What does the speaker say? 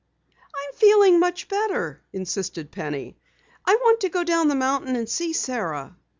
"I'm feeling much better," insisted Penny. "I want to go down the mountain and see Sara."